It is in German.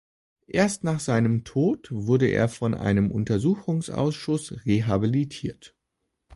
Erst nach seinem Tod wurde er von einem Untersuchungsausschuss rehabilitiert.